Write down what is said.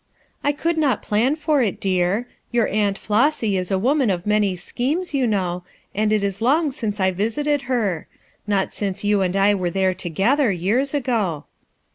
"I could not plan for it, dear. Your Aunt Mossy is a woman of many schemes, you know, and it is long since I visited her; not since you and I were there together, years ago."